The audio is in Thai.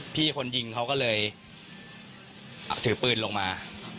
พี่คนยิงเขาก็เลยถือปืนลงมา